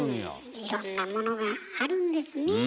いろんなものがあるんですね。